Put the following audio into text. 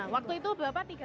waktu itu berapa tiga gram